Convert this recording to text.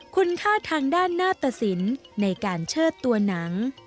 คุณค่าทางด้านหน้าตสินในการเชิดตัวหนัง